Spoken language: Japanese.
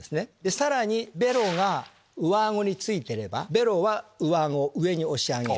さらにベロが上顎についてればベロは上顎を上に押し上げる。